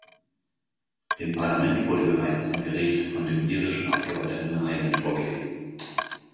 Dem Parlament wurde bereits ein Bericht von dem irischen Abgeordneten Hyland vorgelegt.